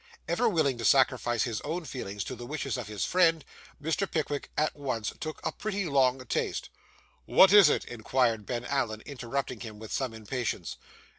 Ever willing to sacrifice his own feelings to the wishes of his friend, Mr. Pickwick at once took a pretty long taste. 'What is it?' inquired Ben Allen, interrupting him with some impatience.